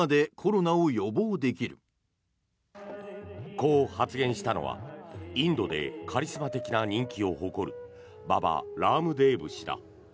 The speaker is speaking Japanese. こう発言したのはインドでカリスマ的な人気を誇るババ・ラームデーブ氏だ。